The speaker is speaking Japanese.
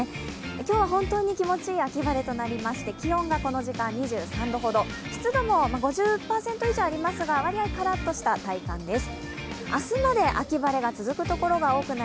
今日は本当に気持ちのい秋晴れとなりまして気温は２３度ほど、湿度も５０％以上ありますが、割合カラッとした体感です。